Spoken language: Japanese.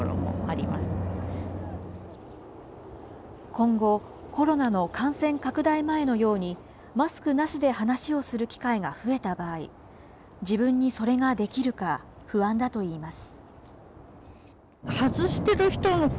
今後、コロナの感染拡大前のように、マスクなしで話をする機会が増えた場合、自分にそれができるか、不安だといいます。